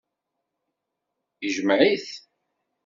Ijmeɛ-it.